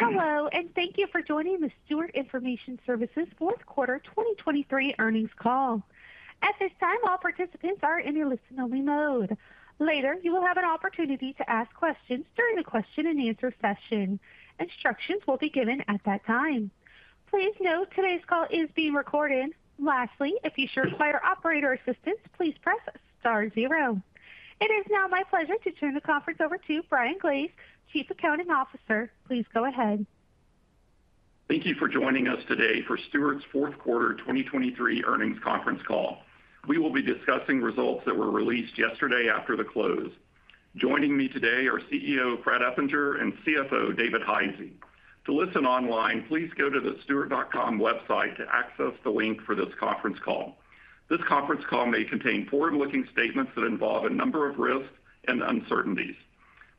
Hello, and thank you for joining the Stewart Information Services fourth quarter 2023 earnings call. At this time, all participants are in a listen-only mode. Later, you will have an opportunity to ask questions during the question-and-answer session. Instructions will be given at that time. Please note today's call is being recorded. Lastly, if you should require operator assistance, please press star zero. It is now my pleasure to turn the conference over to Brian Glaze, Chief Accounting Officer. Please go ahead. Thank you for joining us today for Stewart's fourth quarter 2023 earnings conference call. We will be discussing results that were released yesterday after the close. Joining me today are CEO Fred Eppinger and CFO David Hisey. To listen online, please go to the stewart.com website to access the link for this conference call. This conference call may contain forward-looking statements that involve a number of risks and uncertainties.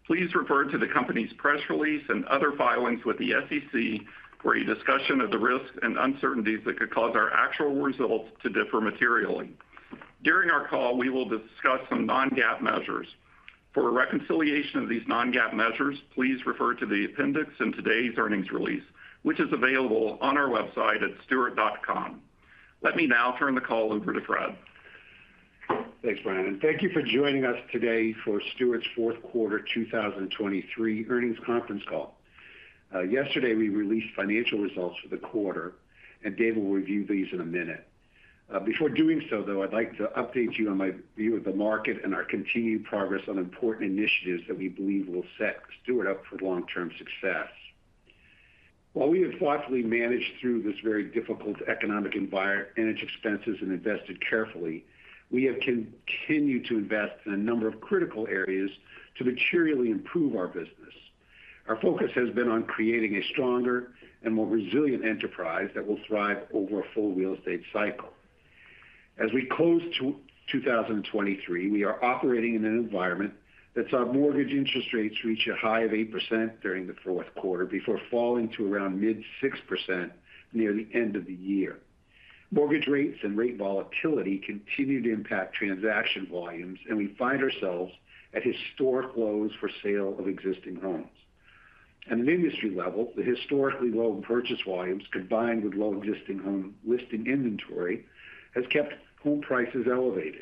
Please refer to the company's press release and other filings with the SEC for a discussion of the risks and uncertainties that could cause our actual results to differ materially. During our call, we will discuss some non-GAAP measures. For a reconciliation of these non-GAAP measures, please refer to the appendix in today's earnings release, which is available on our website at stewart.com. Let me now turn the call over to Fred. Thanks, Brian, and thank you for joining us today for Stewart's fourth quarter 2023 earnings conference call. Yesterday, we released financial results for the quarter, and Dave will review these in a minute. Before doing so, though, I'd like to update you on my view of the market and our continued progress on important initiatives that we believe will set Stewart up for long-term success. While we have thoughtfully managed through this very difficult economic environment and its expenses and invested carefully, we have continued to invest in a number of critical areas to materially improve our business. Our focus has been on creating a stronger and more resilient enterprise that will thrive over a full real estate cycle. As we close 2023, we are operating in an environment that saw mortgage interest rates reach a high of 8% during the fourth quarter, before falling to around mid-6% near the end of the year. Mortgage rates and rate volatility continue to impact transaction volumes, and we find ourselves at historic lows for sale of existing homes. At an industry level, the historically low purchase volumes, combined with low existing home listing inventory, has kept home prices elevated.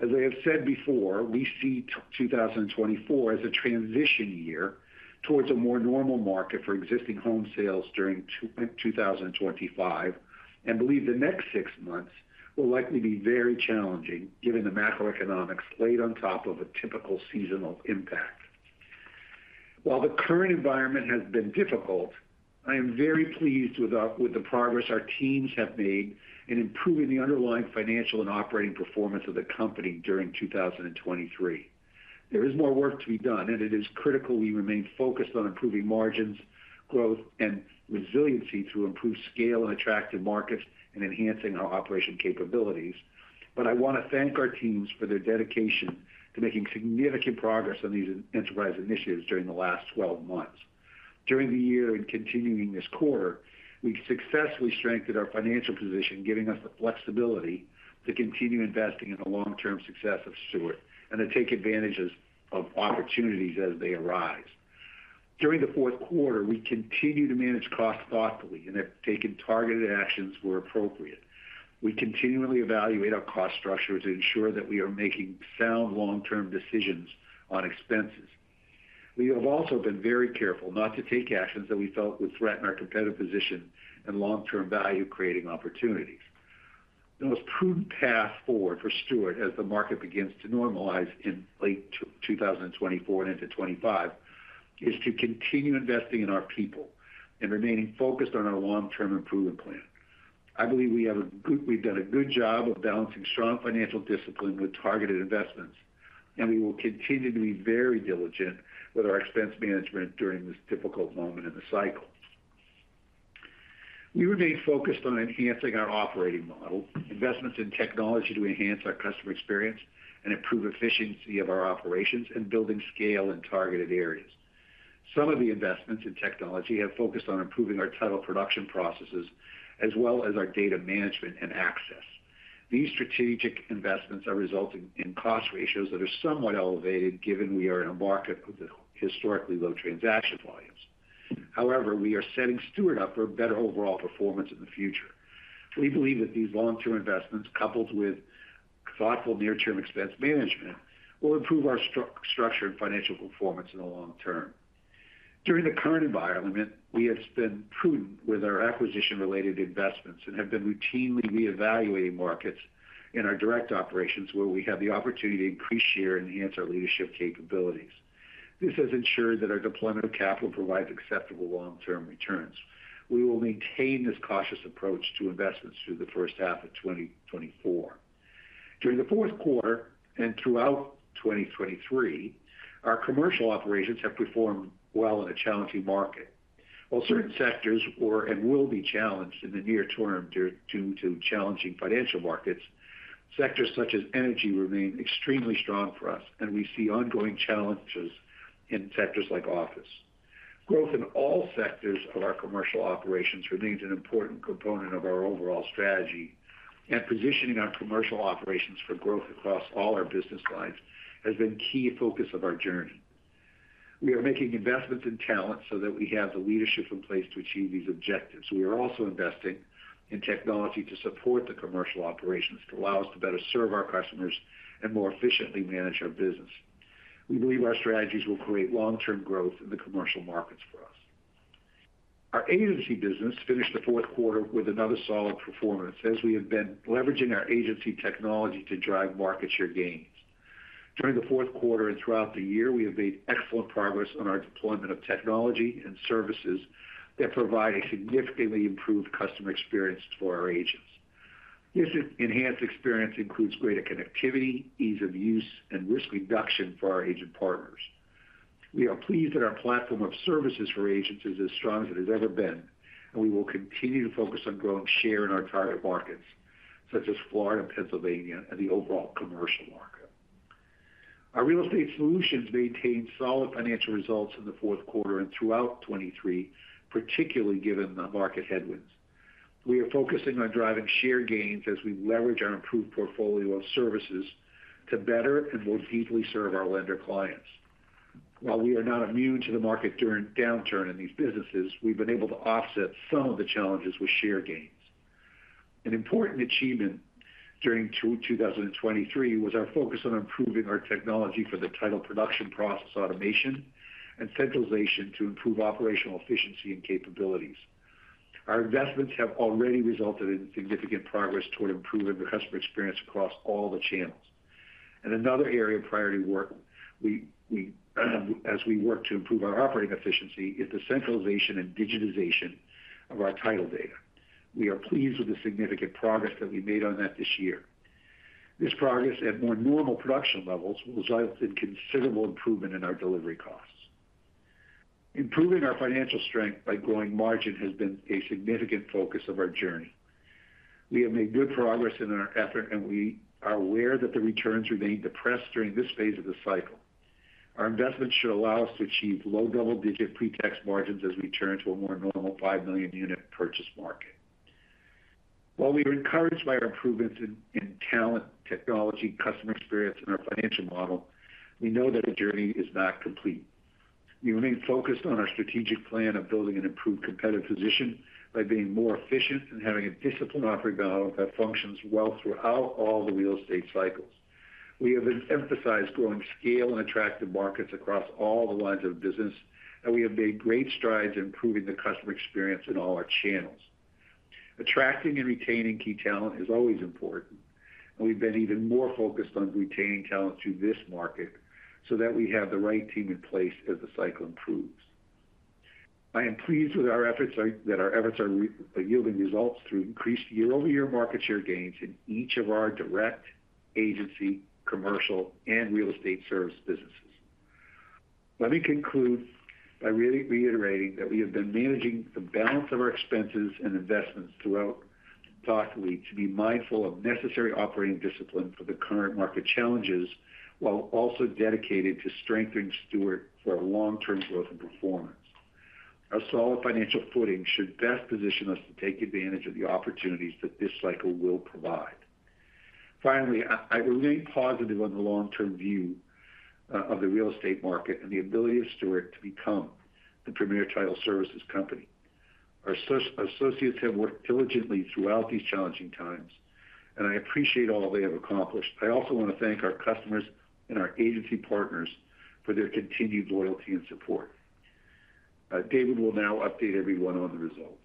As I have said before, we see 2024 as a transition year towards a more normal market for existing home sales during 2025, and believe the next six months will likely be very challenging given the macroeconomics laid on top of a typical seasonal impact. While the current environment has been difficult, I am very pleased with our progress our teams have made in improving the underlying financial and operating performance of the company during 2023. There is more work to be done, and it is critical we remain focused on improving margins, growth, and resiliency to improve scale in attractive markets and enhancing our operation capabilities. But I want to thank our teams for their dedication to making significant progress on these enterprise initiatives during the last 12 months. During the year and continuing this quarter, we've successfully strengthened our financial position, giving us the flexibility to continue investing in the long-term success of Stewart and to take advantages of opportunities as they arise. During the fourth quarter, we continued to manage costs thoughtfully and have taken targeted actions where appropriate. We continually evaluate our cost structure to ensure that we are making sound long-term decisions on expenses. We have also been very careful not to take actions that we felt would threaten our competitive position and long-term value-creating opportunities. The most prudent path forward for Stewart, as the market begins to normalize in late 2024 and into 2025, is to continue investing in our people and remaining focused on our long-term improvement plan. I believe we've done a good job of balancing strong financial discipline with targeted investments, and we will continue to be very diligent with our expense management during this difficult moment in the cycle. We remain focused on enhancing our operating model, investments in technology to enhance our customer experience and improve efficiency of our operations, and building scale in targeted areas. Some of the investments in technology have focused on improving our title production processes, as well as our data management and access. These strategic investments are resulting in cost ratios that are somewhat elevated, given we are in a market with historically low transaction volumes. However, we are setting Stewart up for better overall performance in the future. We believe that these long-term investments, coupled with thoughtful near-term expense management, will improve our structure and financial performance in the long term. During the current environment, we have been prudent with our acquisition-related investments and have been routinely reevaluating markets in our direct operations, where we have the opportunity to increase share and enhance our leadership capabilities. This has ensured that our deployment of capital provides acceptable long-term returns. We will maintain this cautious approach to investments through the first half of 2024. During the fourth quarter and throughout 2023, our commercial operations have performed well in a challenging market. While certain sectors were and will be challenged in the near term due to challenging financial markets, sectors such as energy remain extremely strong for us, and we see ongoing challenges in sectors like office. Growth in all sectors of our commercial operations remains an important component of our overall strategy, and positioning our commercial operations for growth across all our business lines has been a key focus of our journey. We are making investments in talent so that we have the leadership in place to achieve these objectives. We are also investing in technology to support the commercial operations, to allow us to better serve our customers and more efficiently manage our business. We believe our strategies will create long-term growth in the commercial markets for us. Our agency business finished the fourth quarter with another solid performance, as we have been leveraging our agency technology to drive market share gains. During the fourth quarter and throughout the year, we have made excellent progress on our deployment of technology and services that provide a significantly improved customer experience for our agents. This enhanced experience includes greater connectivity, ease of use, and risk reduction for our agent partners. We are pleased that our platform of services for agents is as strong as it has ever been, and we will continue to focus on growing share in our target markets, such as Florida, Pennsylvania, and the overall commercial market. Our Real Estate Solutions maintained solid financial results in the fourth quarter and throughout 2023, particularly given the market headwinds. We are focusing on driving share gains as we leverage our improved portfolio of services to better and more deeply serve our lender clients. While we are not immune to the market during downturn in these businesses, we've been able to offset some of the challenges with share gains. An important achievement during 2023 was our focus on improving our technology for the title production process, automation, and centralization to improve operational efficiency and capabilities. Our investments have already resulted in significant progress toward improving the customer experience across all the channels. And another area of priority work, we, as we work to improve our operating efficiency, is the centralization and digitization of our title data. We are pleased with the significant progress that we made on that this year. This progress at more normal production levels will result in considerable improvement in our delivery costs. Improving our financial strength by growing margin has been a significant focus of our journey. We have made good progress in our effort, and we are aware that the returns remain depressed during this phase of the cycle. Our investments should allow us to achieve low double-digit pre-tax margins as we turn to a more normal 5 million unit purchase market. While we are encouraged by our improvements in talent, technology, customer experience, and our financial model, we know that the journey is not complete. We remain focused on our strategic plan of building an improved competitive position by being more efficient and having a disciplined operating model that functions well throughout all the real estate cycles. We have emphasized growing scale and attractive markets across all the lines of business, and we have made great strides in improving the customer experience in all our channels. Attracting and retaining key talent is always important, and we've been even more focused on retaining talent through this market so that we have the right team in place as the cycle improves. I am pleased that our efforts are yielding results through increased year-over-year market share gains in each of our direct, agency, commercial, and real estate service businesses. Let me conclude by really reiterating that we have been managing the balance of our expenses and investments throughout thoughtfully, to be mindful of necessary operating discipline for the current market challenges, while also dedicated to strengthening Stewart for long-term growth and performance. Our solid financial footing should best position us to take advantage of the opportunities that this cycle will provide. Finally, I remain positive on the long-term view of the real estate market and the ability of Stewart to become the premier title services company. Our associates have worked diligently throughout these challenging times, and I appreciate all they have accomplished. I also want to thank our customers and our agency partners for their continued loyalty and support. David will now update everyone on the results.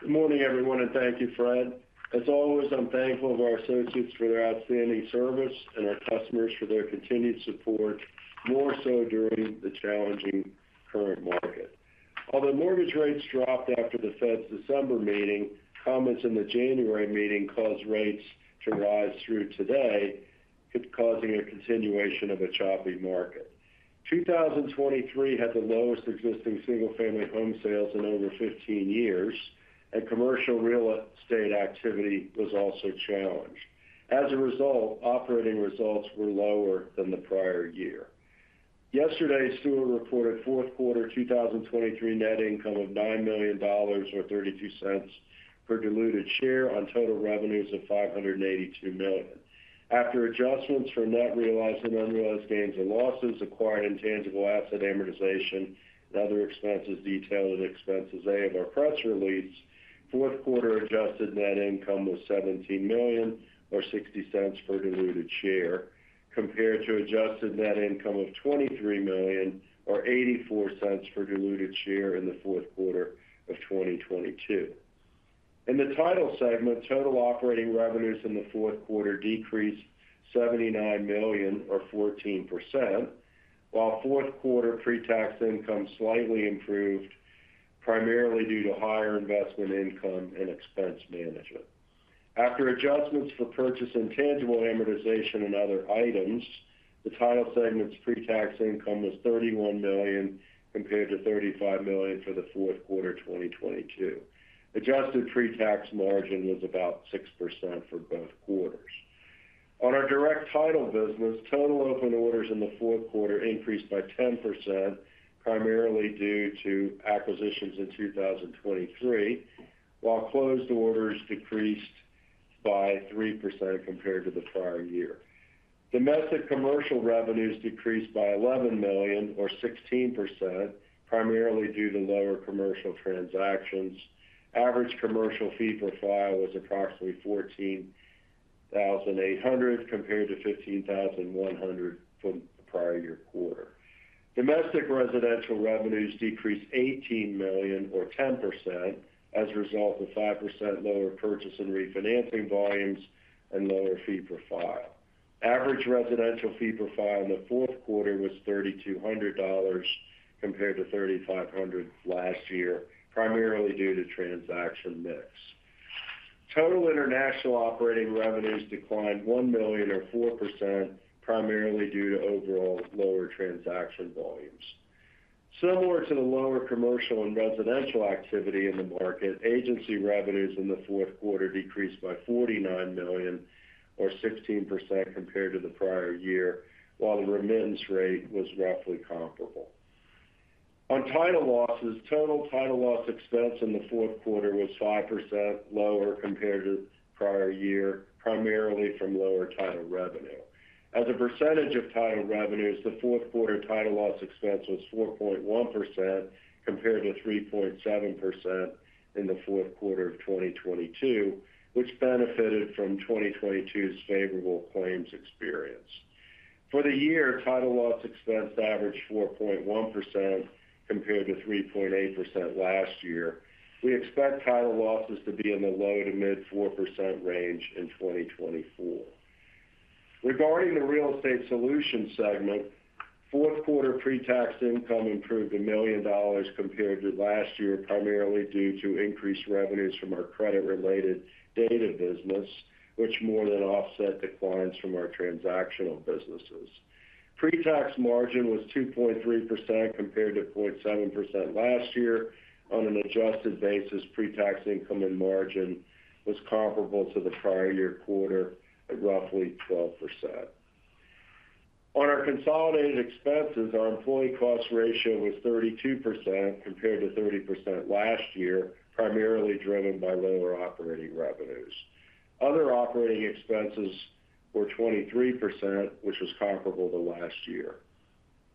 Good morning, everyone, and thank you, Fred. As always, I'm thankful of our associates for their outstanding service and our customers for their continued support, more so during the challenging current market. Although mortgage rates dropped after the Fed's December meeting, comments in the January meeting caused rates to rise through today, causing a continuation of a choppy market. 2023 had the lowest existing single-family home sales in over 15 years, and commercial real estate activity was also challenged. As a result, operating results were lower than the prior year. Yesterday, Stewart reported fourth quarter 2023 net income of $9 million, or $0.32 per diluted share on total revenues of $582 million. After adjustments for net realized and unrealized gains and losses, acquired intangible asset amortization and other expenses detailed in Exhibit A of our press release, fourth quarter adjusted net income was $17 million or $0.60 per diluted share, compared to adjusted net income of $23 million or $0.84 per diluted share in the fourth quarter of 2022. In the title segment, total operating revenues in the fourth quarter decreased $79 million or 14%, while fourth quarter pre-tax income slightly improved, primarily due to higher investment income and expense management. After adjustments for purchase and intangible amortization and other items, the title segment's pre-tax income was $31 million compared to $35 million for the fourth quarter 2022. Adjusted pre-tax margin was about 6% for both quarters. On our direct title business, total open orders in the fourth quarter increased by 10%, primarily due to acquisitions in 2023, while closed orders decreased by 3% compared to the prior year. Domestic commercial revenues decreased by $11 million or 16%, primarily due to lower commercial transactions. Average commercial fee per file was approximately 14,800, compared to 15,100 from the prior year quarter. Domestic residential revenues decreased $18 million or 10% as a result of 5% lower purchase and refinancing volumes and lower fee per file. Average residential fee per file in the fourth quarter was $3,200 compared to $3,500 last year, primarily due to transaction mix. Total international operating revenues declined $1 million or 4%, primarily due to overall lower transaction volumes. Similar to the lower commercial and residential activity in the market, agency revenues in the fourth quarter decreased by $49 million or 16% compared to the prior year, while the remittance rate was roughly comparable. On title losses, total title loss expense in the fourth quarter was 5% lower compared to the prior year, primarily from lower title revenue. As a percentage of title revenues, the fourth quarter title loss expense was 4.1%, compared to 3.7% in the fourth quarter of 2022, which benefited from 2022's favorable claims experience. For the year, title loss expense averaged 4.1% compared to 3.8% last year. We expect title losses to be in the low- to mid-4% range in 2024. Regarding the Real Estate Solutions Segment, fourth quarter pre-tax income improved $1 million compared to last year, primarily due to increased revenues from our credit-related data business, which more than offset declines from our transactional businesses. Pre-tax margin was 2.3% compared to 0.7% last year. On an adjusted basis, pre-tax income and margin was comparable to the prior year quarter at roughly 12%. On our consolidated expenses, our employee cost ratio was 32% compared to 30% last year, primarily driven by lower operating revenues. Other operating expenses were 23%, which was comparable to last year.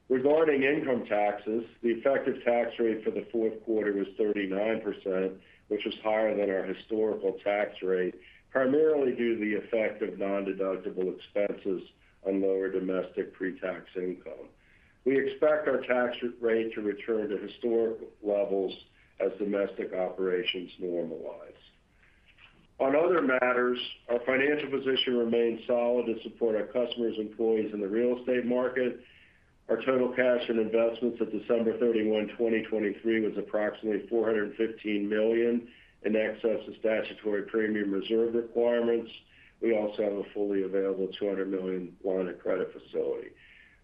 Regarding income taxes, the effective tax rate for the fourth quarter was 39%, which is higher than our historical tax rate, primarily due to the effect of nondeductible expenses on lower domestic pre-tax income. We expect our tax rate to return to historical levels as domestic operations normalize. On other matters, our financial position remains solid to support our customers, employees in the real estate market. Our total cash and investments at December 31, 2023, was approximately $415 million in excess of statutory premium reserve requirements. We also have a fully available $200 million line of credit facility.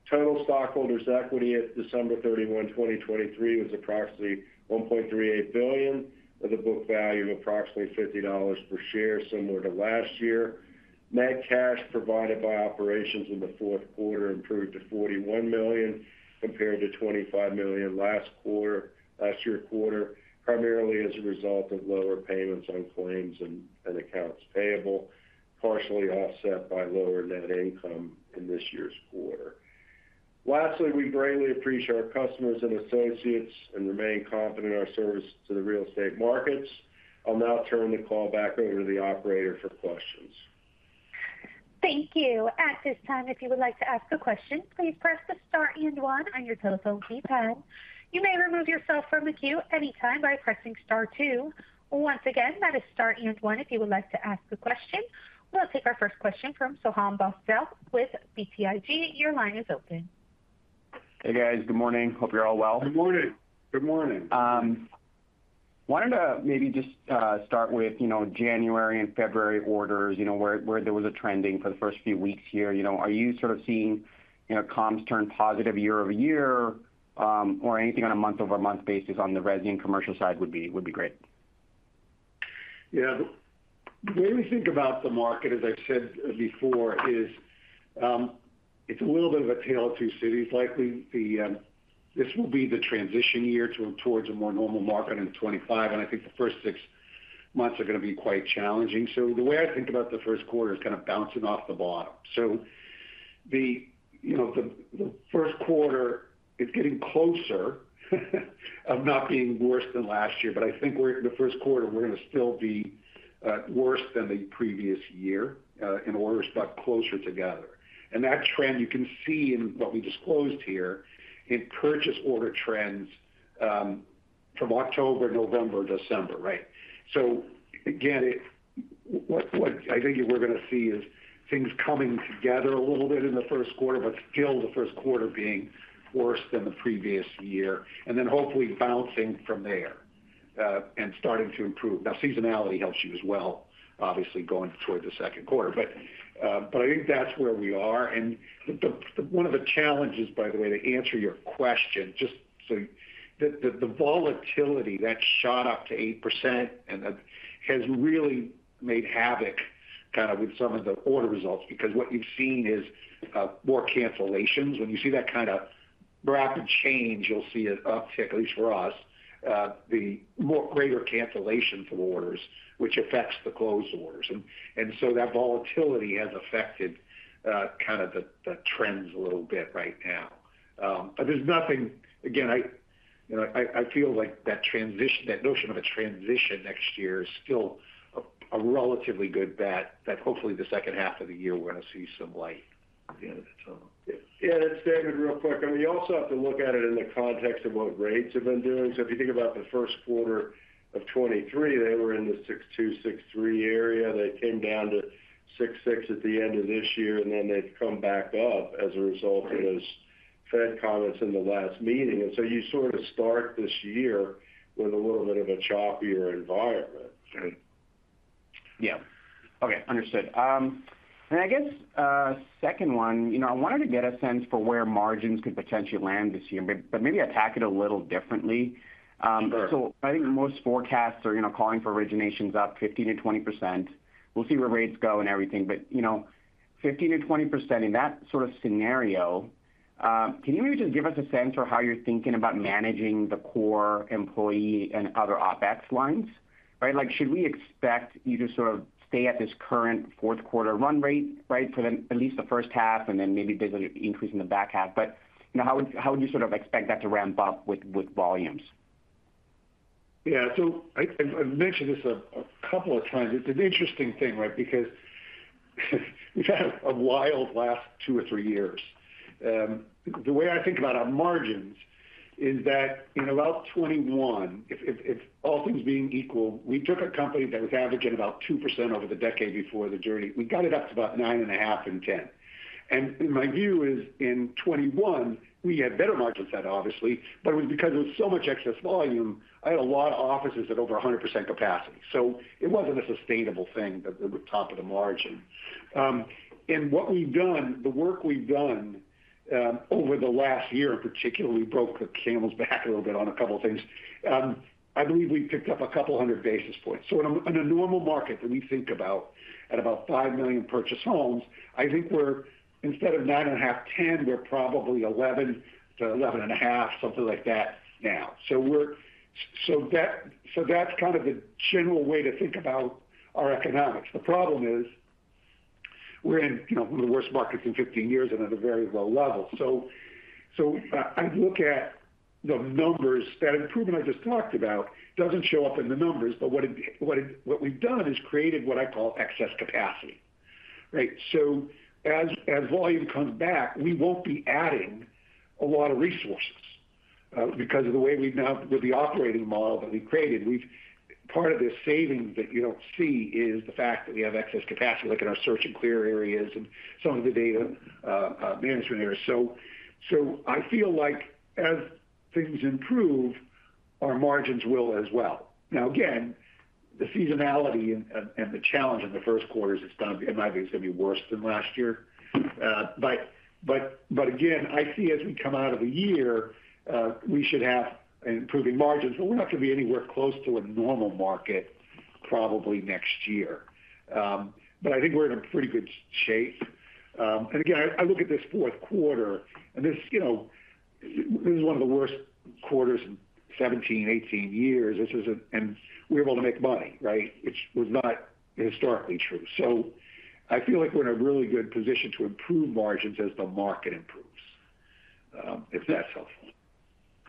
Total stockholders' equity at December 31, 2023, was approximately $1.38 billion, with a book value of approximately $50 per share, similar to last year. Net cash provided by operations in the fourth quarter improved to $41 million, compared to $25 million last year's quarter, primarily as a result of lower payments on claims and accounts payable, partially offset by lower net income in this year's quarter. Lastly, we greatly appreciate our customers and associates and remain confident in our service to the real estate markets. I'll now turn the call back over to the operator for questions. Thank you. At this time, if you would like to ask a question, please press the star and one on your telephone keypad. You may remove yourself from the queue anytime by pressing star two. Once again, that is star and one if you would like to ask a question. We'll take our first question from Soham Bhonsle with BTIG. Your line is open. Hey, guys. Good morning. Hope you're all well. Good morning. Good morning. Wanted to maybe just start with, you know, January and February orders, you know, where there was a trending for the first few weeks here. You know, are you sort of seeing, you know, comps turn positive year-over-year, or anything on a month-over-month basis on the resi and commercial side would be, would be great. Yeah. The way we think about the market, as I've said before, is, it's a little bit of a tale of two cities. Likely, the, this will be the transition year towards a more normal market in 2025, and I think the first six months are going to be quite challenging. So the way I think about the first quarter is kind of bouncing off the bottom. So the, you know, the, the first quarter is getting closer of not being worse than last year, but I think we're in the first quarter, we're going to still be, worse than the previous year, in orders, but closer together. And that trend you can see in what we disclosed here in purchase order trends, from October, November, December, right? So again, what I think we're going to see is things coming together a little bit in the first quarter, but still the first quarter being worse than the previous year, and then hopefully bouncing from there, and starting to improve. Now, seasonality helps you as well, obviously, going toward the second quarter. But, but I think that's where we are. And the, the—one of the challenges, by the way, to answer your question, just so the volatility that shot up to 8% and that has really made havoc kind of with some of the order results, because what you've seen is, more cancellations. When you see that kind of vol- rapid change, you'll see an uptick, at least for us, the more greater cancellation for orders, which affects the closed orders. And so that volatility has affected, kind of the trends a little bit right now. But there's nothing. Again, I, you know, I feel like that transition, that notion of a transition next year is still a relatively good bet, that hopefully the second half of the year we're going to see some light at the end of the tunnel. Yeah, and David, real quick, I mean, you also have to look at it in the context of what rates have been doing. So if you think about the first quarter of 2023, they were in the 6.2-6.3 area. They came down to 6.6 at the end of this year, and then they've come back up as a result of those Fed comments in the last meeting. And so you sort of start this year with a little bit of a choppier environment. Right. Yeah. Okay, understood. I guess, second one, you know, I wanted to get a sense for where margins could potentially land this year, but maybe attack it a little differently. Sure. So I think most forecasts are, you know, calling for originations up 15%-20%. We'll see where rates go and everything, but, you know, 15%-20% in that sort of scenario, can you maybe just give us a sense for how you're thinking about managing the core employee and other OpEx lines? Right, like, should we expect you to sort of stay at this current fourth quarter run rate, right, for the at least the first half, and then maybe there's an increase in the back half. But, you know, how would, how would you sort of expect that to ramp up with, with volumes? Yeah. So I've mentioned this a couple of times. It's an interesting thing, right? Because we've had a wild last two or three years. The way I think about our margins is that in about 2021, if all things being equal, we took a company that was averaging about 2% over the decade before the journey. We got it up to about 9.5 and 10. And my view is, in 2021, we had better margins than that, obviously, but it was because there was so much excess volume. I had a lot of offices at over 100% capacity. So it wasn't a sustainable thing, the top of the margin. And what we've done, the work we've done, over the last year in particular, we broke the camel's back a little bit on a couple of things. I believe we've picked up a couple of hundred basis points. So in a normal market, when we think about at about 5 million purchase homes, I think we're, instead of 9.5, 10, we're probably 11 to 11.5, something like that now. So we're so that, so that's kind of the general way to think about our economics. The problem is, we're in, you know, one of the worst markets in 15 years and at a very low level. So, so I, I look at the numbers. That improvement I just talked about doesn't show up in the numbers, but what we've done is created what I call excess capacity, right? So as volume comes back, we won't be adding a lot of resources, because of the way we've now with the operating model that we created, we've part of the savings that you don't see is the fact that we have excess capacity, like in our search and clear areas and some of the data management areas. So I feel like as things improve, our margins will as well. Now, again, the seasonality and the challenge in the first quarter is it's gonna and I think it's going to be worse than last year. But again, I see as we come out of the year, we should have improving margins, but we're not going to be anywhere close to a normal market probably next year. But I think we're in pretty good shape. And again, I look at this fourth quarter, and this, you know, this is one of the worst quarters in 17-18 years. This is, and we're able to make money, right? Which was not historically true. So I feel like we're in a really good position to improve margins as the market improves, if that's helpful.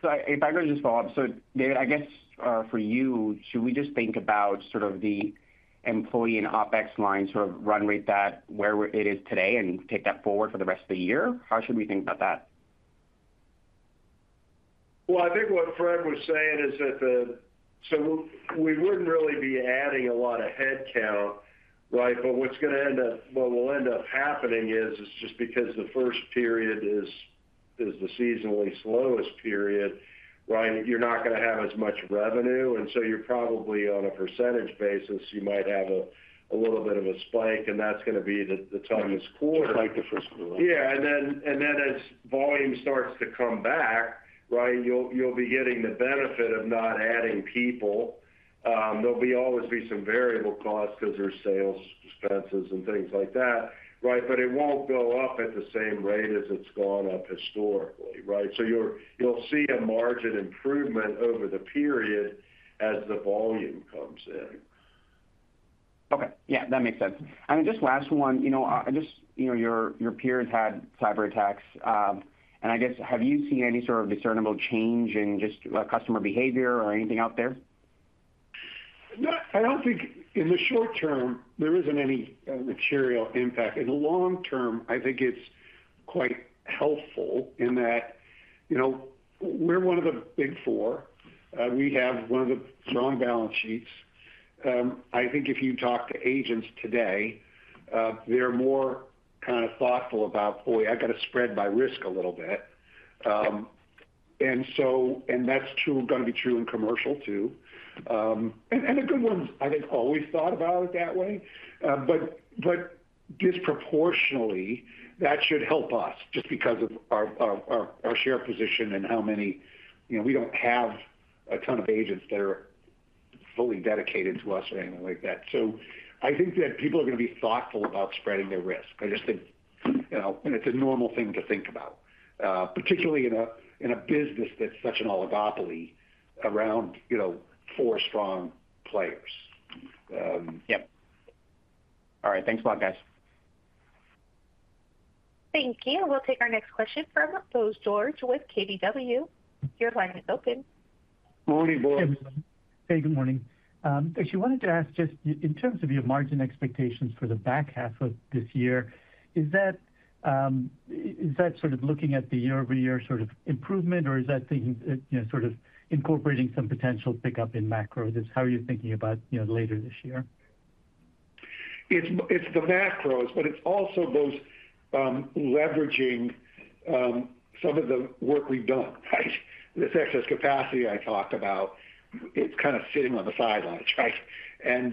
If I could just follow up. David, I guess, for you, should we just think about sort of the employee and OpEx line, sort of run rate that it is today and take that forward for the rest of the year? How should we think about that? Well, I think what Fred was saying is that the, so we wouldn't really be adding a lot of headcount, right? But what's going to end up—what will end up happening is just because the first period is the seasonally slowest period, right? You're not going to have as much revenue, and so you're probably on a percentage basis, you might have a little bit of a spike, and that's going to be the toughest quarter. Just like the first quarter. Yeah. And then as volume starts to come back, right, you'll be getting the benefit of not adding people. There'll always be some variable costs because there's sales expenses and things like that, right? But it won't go up at the same rate as it's gone up historically, right? So you'll see a margin improvement over the period as the volume comes in. Okay. Yeah, that makes sense. I mean, just last one, you know, just, you know, your, your peers had cyberattacks, and I guess, have you seen any sort of discernible change in just, customer behavior or anything out there? No, I don't think in the short term, there isn't any material impact. In the long term, I think it's quite helpful in that, you know, we're one of the Big Four. We have one of the strong balance sheets. I think if you talk to agents today, they're more kind of thoughtful about, "Boy, I got to spread my risk a little bit." And so—and that's true, gonna be true in commercial, too. And a good one, I think, always thought about it that way. But disproportionately, that should help us just because of our share position and how many—you know, we don't have a ton of agents that are fully dedicated to us or anything like that. So I think that people are going to be thoughtful about spreading their risk. I just think, you know, and it's a normal thing to think about, particularly in a business that's such an oligopoly around, you know, four strong players. Yep. All right. Thanks a lot, guys. Thank you. We'll take our next question from Bose George with KBW. Your line is open. Morning, Bose. Hey, good morning. Actually wanted to ask just in terms of your margin expectations for the back half of this year, is that sort of looking at the year-over-year sort of improvement, or is that thinking, you know, sort of incorporating some potential pickup in macros? How are you thinking about, you know, later this year? It's the macros, but it's also those leveraging some of the work we've done, right? This excess capacity I talked about, it's kind of sitting on the sidelines, right? And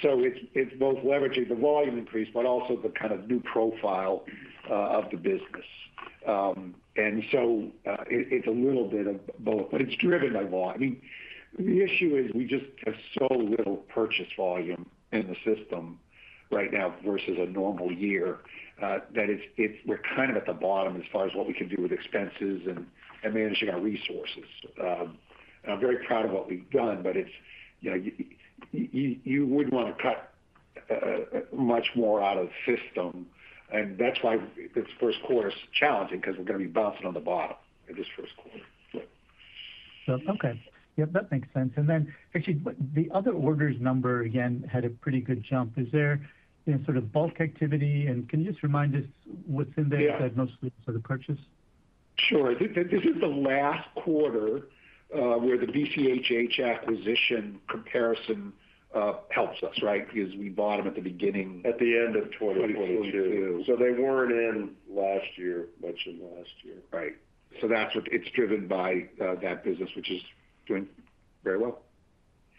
so it's both leveraging the volume increase, but also the kind of new profile of the business. And so it's a little bit of both, but it's driven by volume. I mean, the issue is we just have so little purchase volume in the system right now versus a normal year that it's-- we're kind of at the bottom as far as what we can do with expenses and managing our resources. And I'm very proud of what we've done, but it's, you know, you would want to cut much more out of the system, and that's why this first quarter is challenging because we're going to be bouncing on the bottom in this first quarter. Okay. Yep, that makes sense. And then, actually, the other orders number, again, had a pretty good jump. Is there any sort of bulk activity, and can you just remind us what's in there? Yeah That mostly for the purchase? Sure. This, this is the last quarter where the BCHH acquisition comparison helps us, right? Because we bought them at the beginning- At the end of 2022. 2022. They weren't in last year, much in last year. Right. So that's what it's driven by, that business, which is doing very well.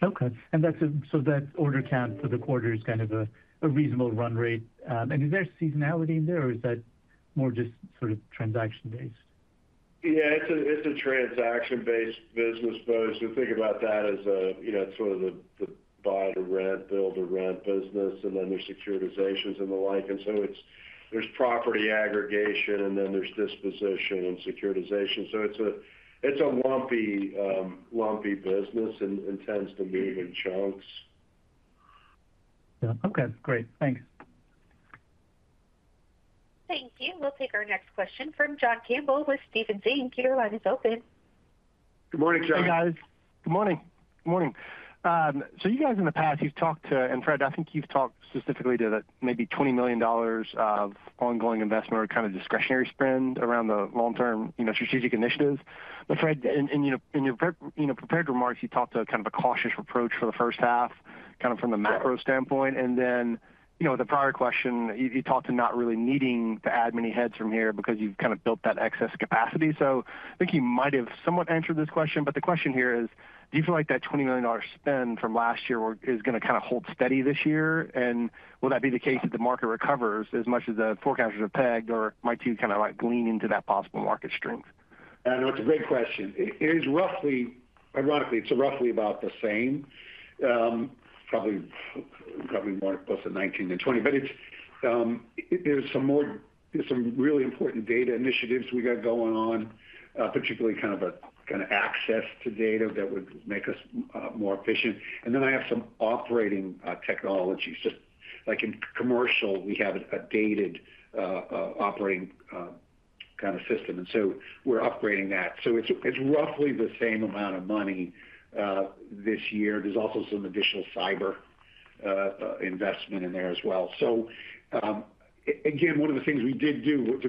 Okay. And that's so that order count for the quarter is kind of a reasonable run rate. And is there seasonality in there, or is that more just sort of transaction-based? Yeah, it's a transaction-based business, Bose. We think about that as, you know, sort of the buy to rent, build to rent business, and then there's securitizations and the like. And so it's. There's property aggregation, and then there's disposition and securitization. So it's a lumpy business and tends to move in chunks. Yeah. Okay, great. Thanks. Thank you. We'll take our next question from John Campbell with Stephens Inc. Your line is open. Good morning, John. Hey, guys. Good morning. Good morning. So you guys in the past, you've talked to, and Fred, I think you've talked specifically to the maybe $20 million of ongoing investment or kind of discretionary spend around the long term, you know, strategic initiatives. But Fred, in your prep, you know, prepared remarks, you talked to kind of a cautious approach for the first half, kind of from the macro standpoint. Sure. And then, you know, the prior question, you talked to not really needing to add many heads from here because you've kind of built that excess capacity. So I think you might have somewhat answered this question, but the question here is: Do you feel like that $20 million spend from last year is going to kind of hold steady this year? And will that be the case if the market recovers as much as the forecasters are pegged, or might you kind of, like, glean into that possible market strength? No, it's a great question. It is roughly, ironically, it's roughly about the same, probably more closer to 19 than 20. But it's, there's some more—there's some really important data initiatives we got going on, particularly kind of a kind of access to data that would make us more efficient. And then I have some operating technologies. Just like in commercial, we have a dated operating kind of system, and so we're upgrading that. So it's roughly the same amount of money this year. There's also some additional cyber investment in there as well. So, again, one of the things we did do,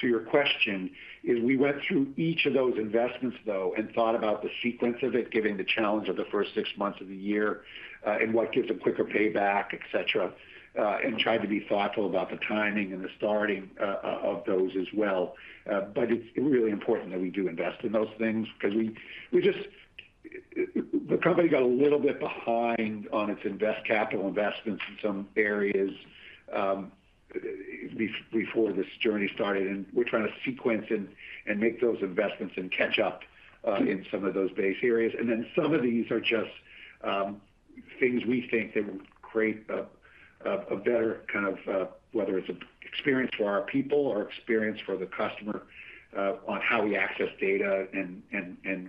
to your question, is we went through each of those investments, though, and thought about the sequence of it, giving the challenge of the first six months of the year, and what gives a quicker payback, et cetera, and tried to be thoughtful about the timing and the starting of those as well. But it's really important that we do invest in those things because we just. The company got a little bit behind on its capital investments in some areas, before this journey started, and we're trying to sequence and make those investments and catch up in some of those base areas. And then some of these are just things we think that will create a better kind of whether it's experience for our people or experience for the customer on how we access data and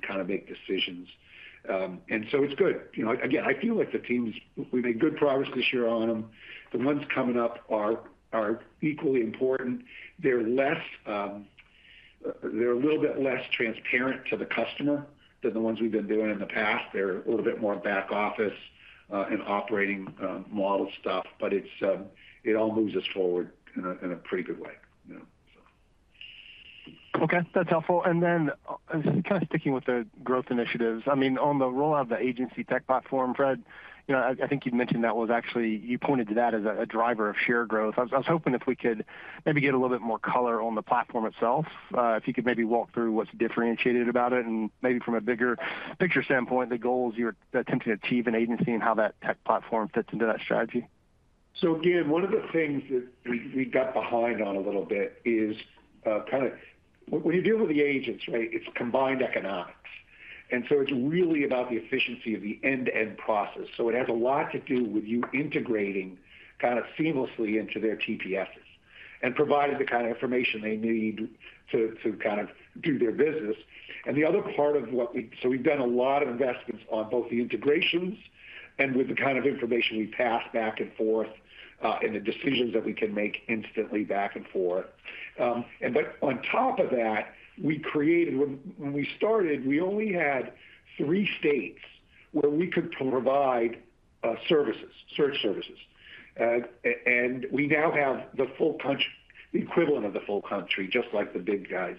kind of make decisions. And so it's good. You know, again, I feel like the team's we made good progress this year on them. The ones coming up are equally important. They're less, they're a little bit less transparent to the customer than the ones we've been doing in the past. They're a little bit more back office and operating model stuff, but it's it all moves us forward in a pretty good way. Yeah, so. Okay, that's helpful. And then, kind of sticking with the growth initiatives, I mean, on the role of the agency tech platform, Fred, you know, I think you've mentioned that was actually, you pointed to that as a driver of share growth. I was hoping if we could maybe get a little bit more color on the platform itself, if you could maybe walk through what's differentiated about it, and maybe from a bigger picture standpoint, the goals you're attempting to achieve in agency and how that tech platform fits into that strategy? So again, one of the things that we, we got behind on a little bit is, kind of, when you deal with the agents, right, it's combined economics. So it's really about the efficiency of the end-to-end process. So it has a lot to do with you integrating kind of seamlessly into their TPSs and providing the kind of information they need to, to kind of do their business. And the other part of what we, so we've done a lot of investments on both the integrations and with the kind of information we pass back and forth, and the decisions that we can make instantly back and forth. And but on top of that, we created, when, when we started, we only had three states where we could provide, services, search services. And we now have the full country equivalent of the full country, just like the big guys,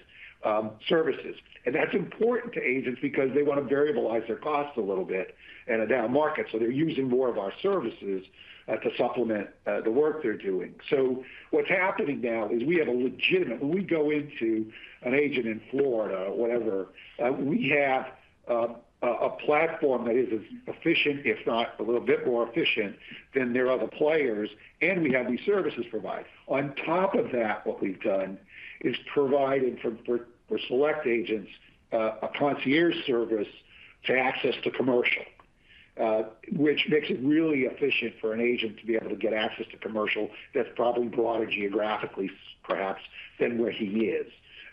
services. And that's important to agents because they want to variabilize their costs a little bit in a down market, so they're using more of our services to supplement the work they're doing. So what's happening now is we have a legitimate platform when we go into an agent in Florida or whatever, we have a platform that is as efficient, if not a little bit more efficient, than their other players, and we have these services provided. On top of that, what we've done is provided for select agents a concierge service to access to commercial, which makes it really efficient for an agent to be able to get access to commercial that's probably broader geographically, perhaps, than where he is.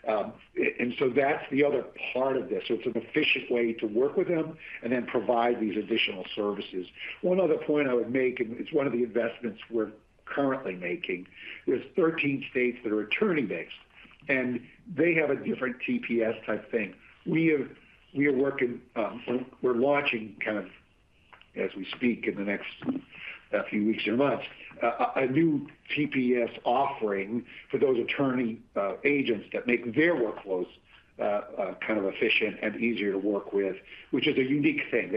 And so that's the other part of this. So it's an efficient way to work with them and then provide these additional services. One other point I would make, and it's one of the investments we're currently making. There's 13 states that are attorney-based, and they have a different TPS-type thing. We are working, we're launching kind of as we speak, in the next few weeks or months, a new TPS offering for those attorney agents that make their workflows kind of efficient and easier to work with, which is a unique thing.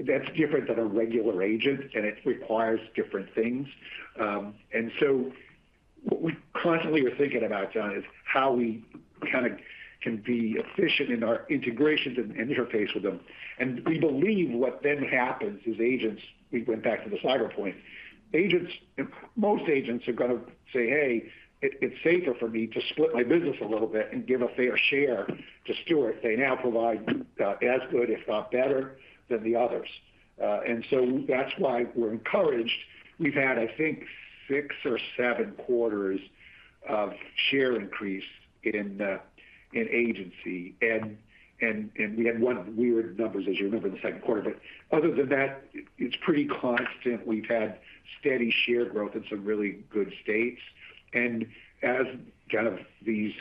That's different than a regular agent, and it requires different things. And so what we constantly are thinking about, John, is how we kind of can be efficient in our integrations and interface with them. We believe what then happens is agents, we went back to the slider point, agents, most agents are going to say, "Hey, it's safer for me to split my business a little bit and give a fair share to Stewart. They now provide as good, if not better, than the others." And so that's why we're encouraged. We've had, I think, six or seven quarters of share increase in agency, and we had one weird numbers, as you remember, in the second quarter. But other than that, it's pretty constant. We've had steady share growth in some really good states. And as kind of these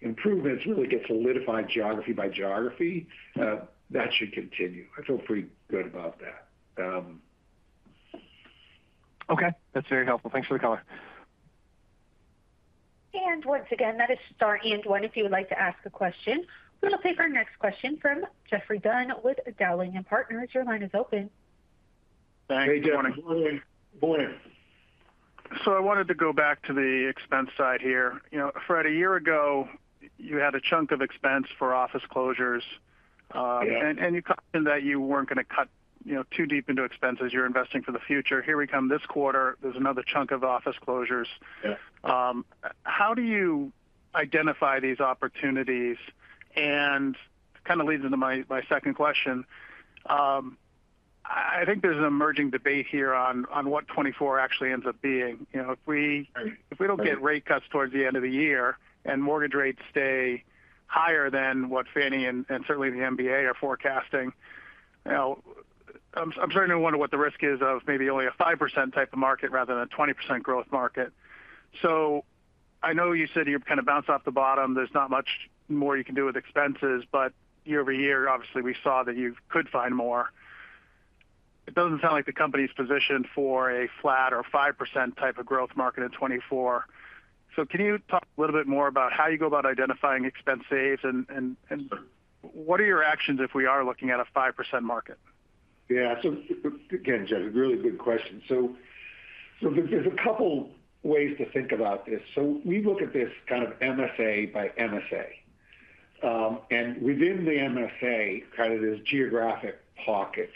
improvements really get solidified geography by geography, that should continue. I feel pretty good about that. Okay, that's very helpful. Thanks for the color. Once again, that is star and one if you would like to ask a question. We will take our next question from Geoffrey Dunn with Dowling & Partners. Your line is open. Hey, good morning. Good morning. So I wanted to go back to the expense side here. You know, Fred, a year ago, you had a chunk of expense for office closures, Yeah and you commented that you weren't going to cut, you know, too deep into expenses. You're investing for the future. Here we come this quarter, there's another chunk of office closures. Yeah. How do you identify these opportunities? Kind of leads into my second question. I think there's an emerging debate here on what 2024 actually ends up being. You know, if we- Right if we don't get rate cuts towards the end of the year and mortgage rates stay higher than what Fannie and certainly the MBA are forecasting, now I'm starting to wonder what the risk is of maybe only a 5% type of market rather than a 20% growth market. So I know you said you're kind of bounced off the bottom, there's not much more you can do with expenses, but year-over-year, obviously, we saw that you could find more. It doesn't sound like the company's positioned for a flat or 5% type of growth market in 2024. So can you talk a little bit more about how you go about identifying expense saves and- Sure what are your actions if we are looking at a 5% market? Yeah. So again, Jeff, a really good question. So, so there's a couple ways to think about this. So we look at this kind of MSA by MSA, and within the MSA, kind of those geographic pockets.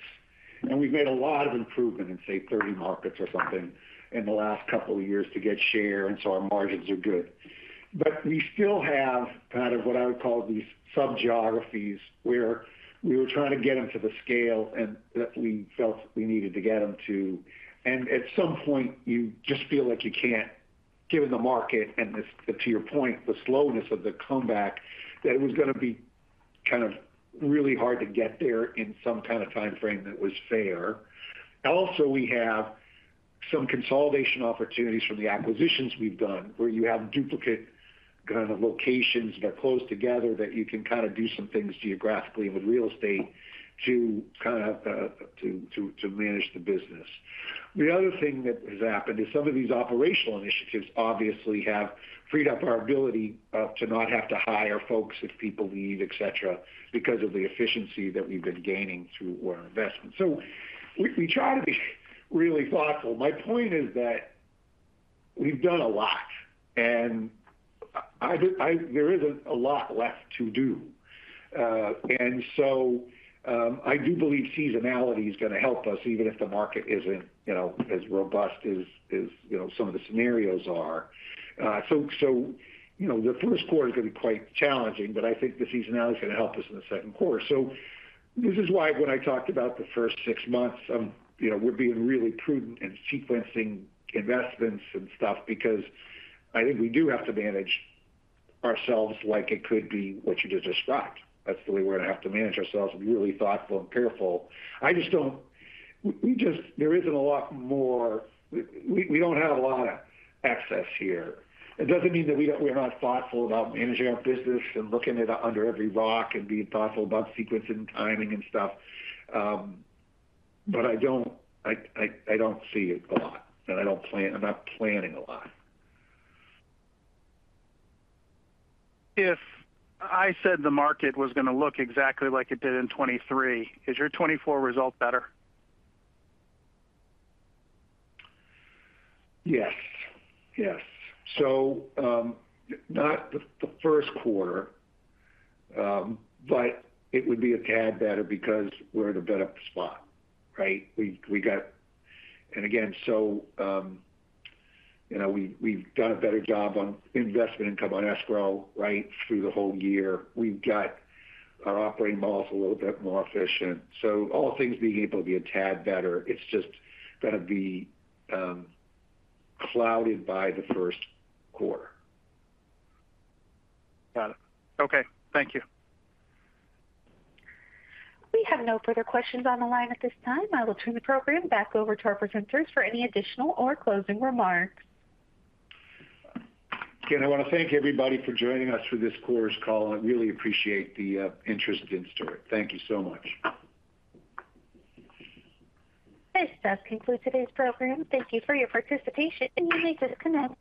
And we've made a lot of improvement in, say, 30 markets or something in the last couple of years to get share, and so our margins are good. But we still have kind of what I would call these subgeographies, where we were trying to get them to the scale and that we felt we needed to get them to. And at some point, you just feel like you can't, given the market and this, to your point, the slowness of the comeback, that it was going to be kind of really hard to get there in some kind of time frame that was fair. Also, we have some consolidation opportunities from the acquisitions we've done, where you have duplicate kind of locations that are close together, that you can kind of do some things geographically with real estate to kind of manage the business. The other thing that has happened is some of these operational initiatives obviously have freed up our ability to not have to hire folks if people leave, et cetera, because of the efficiency that we've been gaining through our investments. So we try to be really thoughtful. My point is that we've done a lot, and there isn't a lot left to do. And so I do believe seasonality is gonna help us, even if the market isn't, you know, as robust as you know, some of the scenarios are. So, you know, the first quarter is gonna be quite challenging, but I think the seasonality is gonna help us in the second quarter. So this is why when I talked about the first six months of, you know, we're being really prudent in sequencing investments and stuff, because I think we do have to manage ourselves like it could be what you just described. That's the way we're gonna have to manage ourselves and be really thoughtful and careful. I just don't—we just, there isn't a lot more—we don't have a lot of excess here. It doesn't mean that we don't—we're not thoughtful about managing our business and looking at it under every rock and being thoughtful about sequencing, timing, and stuff. But I don't see a lot, and I don't plan. I'm not planning a lot. If I said the market was gonna look exactly like it did in 2023, is your 2024 result better? Yes. Yes. So, not the first quarter, but it would be a tad better because we're in a better spot, right? We got, and again, so, you know, we've done a better job on investment income on escrow, right, through the whole year. We've got our operating model a little bit more efficient, so all things being able to be a tad better, it's just gonna be clouded by the first quarter. Got it. Okay, thank you. We have no further questions on the line at this time. I will turn the program back over to our presenters for any additional or closing remarks. Again, I want to thank everybody for joining us for this quarter's call. I really appreciate the interest in Stewart. Thank you so much. This does conclude today's program. Thank you for your participation, and you may disconnect.